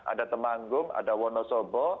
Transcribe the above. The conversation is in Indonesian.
ada temanggung ada wonosobo